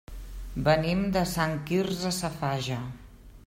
Venim de Sant Quirze Safaja.